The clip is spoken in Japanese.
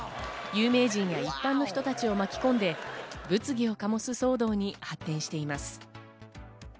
有名人や一般の人たちを巻き込んで物議を醸す騒動に発展しています。